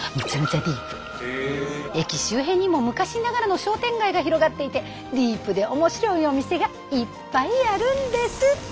駅周辺にも昔ながらの商店街が広がっていてディープで面白いお店がいっぱいあるんです！